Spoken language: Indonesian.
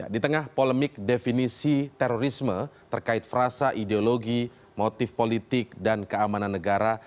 di tengah polemik definisi terorisme terkait frasa ideologi motif politik dan keamanan negara